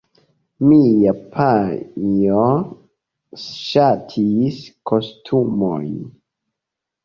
Mia panjo ŝatis kostumojn.